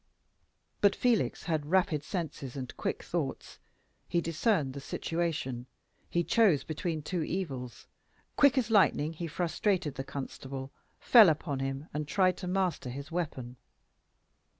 But Felix had rapid senses and quick thoughts; he discerned the situation; he chose between two evils. Quick as lightning he frustrated the constable, fell upon him, and tried to master his weapon.